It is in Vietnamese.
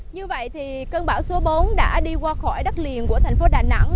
như vậy thì cơn bão số bốn đã đi qua khỏi đất liền của thành phố đà nẵng